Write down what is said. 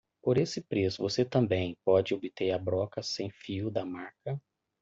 Por esse preço, você também pode obter a broca sem fio da marca.